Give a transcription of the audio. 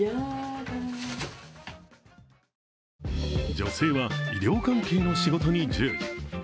女性は医療関係の仕事に従事。